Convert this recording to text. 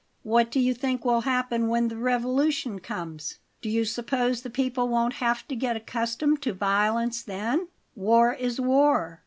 "What do you think will happen when the revolution comes? Do you suppose the people won't have to get accustomed to violence then? War is war."